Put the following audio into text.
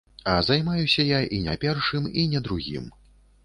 А займаюся я і не першым, і не другім.